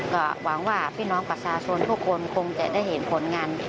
ก็หวังว่าพี่น้องประชาชนทุกคนคงจะได้เห็นผลงาน